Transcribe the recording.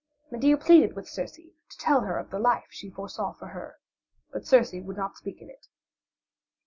Medea pleaded with Circe to tell her of the life she foresaw for her, but Circe would not speak of it.